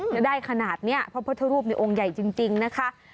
จะได้ขนาดนี้พระพุทธรูปในองค์ใหญ่จริงนะคะ